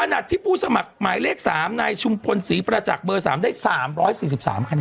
ขณะที่ผู้สมัครหมายเลข๓นายชุมพลศรีประจักษ์เบอร์๓ได้๓๔๓คะแนน